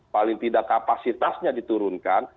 paling tidak kapasitasnya diturunkan